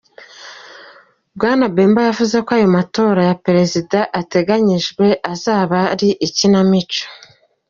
Bwana Bemba yavuze ko aya matora ya perezida ateganyijwe azaba ari "ikinamico.